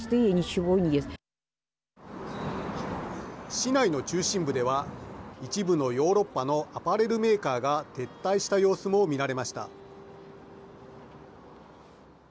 市内の中心部では一部のヨーロッパのアパレルメーカーが撤退した様子も見られました。